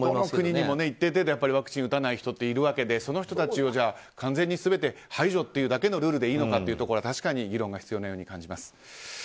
どの国にも一定程度ワクチンを打たない人っているわけでその人たちを完全に全て排除というだけのルールでいいのかというところは確かに議論が必要なように感じます。